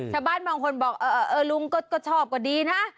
ชาวบ้านบางคนบอกเออลุงก็ชอบก็ดีนะ